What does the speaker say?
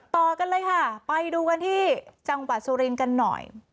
ต่อกันเลยค่ะไปดูกันที่จังหวัดสุรินทร์กันหน่อย